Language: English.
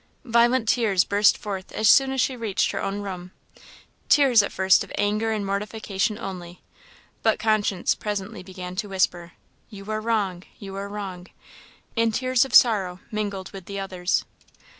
Violent tears burst forth as soon as she reached her own room tears at first of anger and mortification only; but conscience presently began to whisper, "You are wrong! you are wrong!" and tears of sorrow mingled with the others.